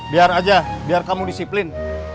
biar aja biar kamu disiplin